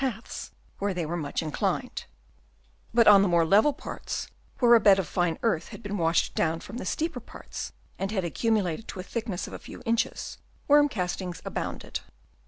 11 but on the more level parts, where a bed of fine earth had been washed down from the steeper parts and had accumulated to a thick ness of a few inches, worm castings abounded.